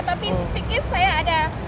tapi pikir saya ada